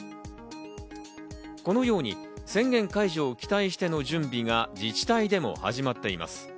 このように宣言解除を期待しての準備が自治体でも始まっています。